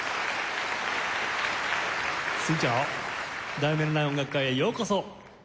『題名のない音楽会』へようこそ！